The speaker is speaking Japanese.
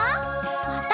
また。